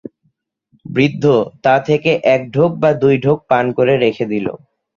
বৃদ্ধ তা থেকে এক ঢোক বা দুই ঢোক পান করে রেখে দিল।